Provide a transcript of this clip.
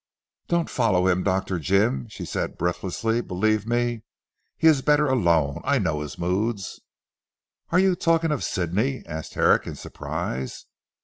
"Don't follow him Dr. Jim," she said breathlessly. "Believe me, he is better alone. I know his moods." "Are you talking of Sidney?" asked Herrick in surprise.